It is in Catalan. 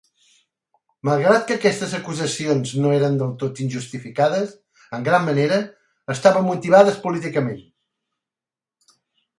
Malgrat que aquestes acusacions no eren del tot injustificades, en gran manera estaven motivades políticament.